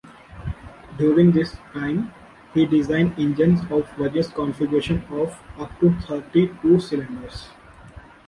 During this time, he designed engines of various configurations of up to thirty-two cylinders.